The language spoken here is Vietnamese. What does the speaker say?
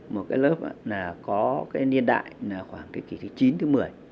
một lớp có niên đại khoảng kỳ thứ chín thứ một mươi